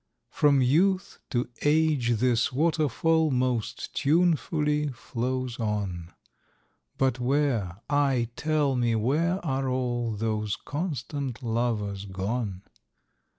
From youth to age this waterfall Most tunefully flows on, But where, aye! tell me where, are all Those constant lovers gone?